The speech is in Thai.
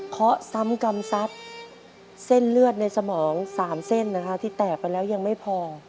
เพราะซ้ำกรรมซัตริย์เส้นเลือดในสมอง๓เส้นที่แตกไปแล้วยังไม่พอ